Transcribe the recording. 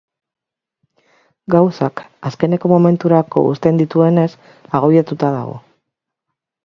Gauzak azkeneko momenturako uzten dituenez, agobiatuta dago.